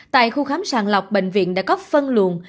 tại khu khám sàng lọc bệnh viện đã có phân luồn